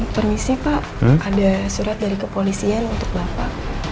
permisi pak ada surat dari kepolisian untuk bapak